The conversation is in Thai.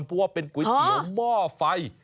เพราะว่าเป็นก๋วยเตี๋ยวหม้อไฟ